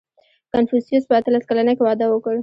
• کنفوسیوس په اتلس کلنۍ کې واده وکړ.